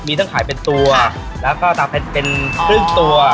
มีทั้งขายเป็นตัวแล้วก็ตาเพชรเป็นครึ่งตัว